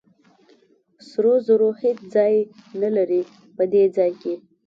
سرو زرو هېڅ ځای نه لري په دې ځای کې.